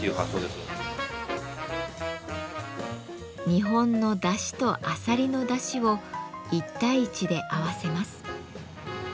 日本のだしとあさりのだしを１対１で合わせます。